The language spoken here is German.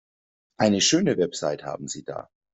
Eine schöne Website haben Sie da.